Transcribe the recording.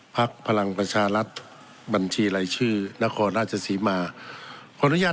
ภักดิ์พลังประชารัฐบัญชีไร่ชื่อนครราชสีมาขออนุญาต